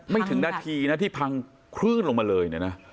ไม่ถึงนาทีนะที่พังครื่นลงมาเลยนะ